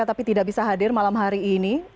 tapi tidak bisa hadir malam hari ini